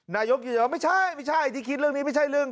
นายกอย่างว่าไม่ใช่ที่คิดเรื่องนี้ไม่ใช่เรื่อง